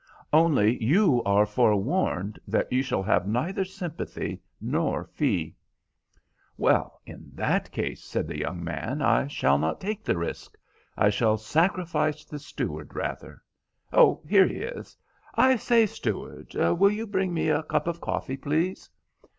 Only you are forewarned that you shall have neither sympathy nor fee." "Well, in that case," said the young man, "I shall not take the risk. I shall sacrifice the steward rather. Oh, here he is. I say, steward, will you bring me a cup of coffee, please?"